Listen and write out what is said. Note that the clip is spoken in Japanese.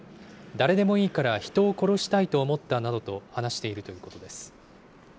誰でもいいから人を殺したいと思ったなどと話しているということです。